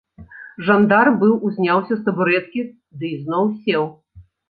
Жандар быў узняўся з табурэткі ды ізноў сеў.